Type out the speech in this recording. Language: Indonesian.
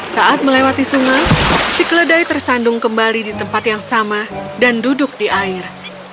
saat melewati sungai si keledai tersandung kembali di tempat yang sama dan duduk di air